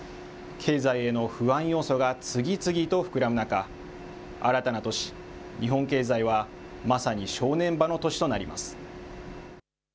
経済への不安要素が次々と膨らむ中、新たな年、日本経済はまさに正念場の年となります。